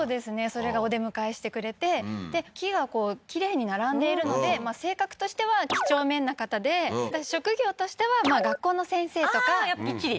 それがお出迎えしてくれて木がこうきれいに並んでいるので性格としては几帳面な方で職業としては学校の先生とかああーやっぱきっちり？